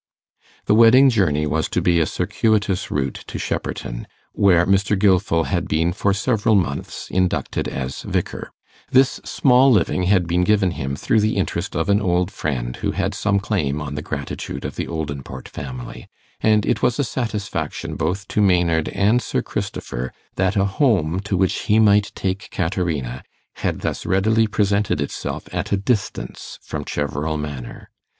The wedding journey was to be a circuitous route to Shepperton, where Mr. Gilfil had been for several months inducted as vicar. This small living had been given him through the interest of an old friend who had some claim on the gratitude of the Oldinport family; and it was a satisfaction both to Maynard and Sir Christopher that a home to which he might take Caterina had thus readily presented itself at a distance from Cheverel Manor.